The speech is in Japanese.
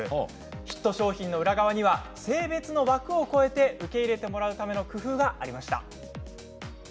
ヒット商品の裏側には性別の枠を超えて受け入れてもらうための工夫がありました。